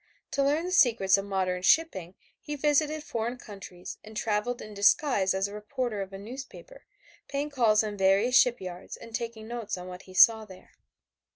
To learn the secrets of modern shipping he visited foreign countries and traveled in disguise as a reporter of a newspaper, paying calls on various shipyards and taking notes on what he saw there.